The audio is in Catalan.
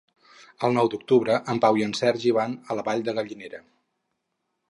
El nou d'octubre en Pau i en Sergi van a la Vall de Gallinera.